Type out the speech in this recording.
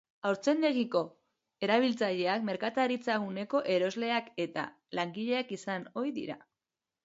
Haurtzaindegiko erabiltzaileak merkataritza-guneko erosleak eta langileak izan ohi dira.